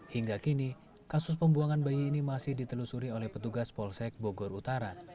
hingga kini kasus pembuangan bayi ini masih ditelusuri oleh petugas polsek bogor utara